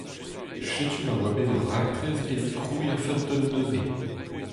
Setu ma oa bet ur raktres evit krouiñ ur feunteun nevez.